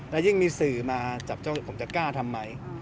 แล้วยิ่งมีสื่อมาจับจ้องผมจะกล้าทำไหม